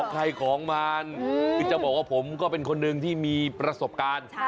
ใครของมันคือจะบอกว่าผมก็เป็นคนหนึ่งที่มีประสบการณ์